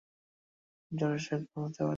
যা ফ্রান্সের পক্ষে জয়সূচক গোল হতে পারত।